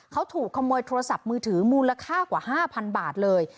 เขาถูกขโมยโทรศัพท์มือถือมูลค่ากว่า๕๐๐๐บาทเลย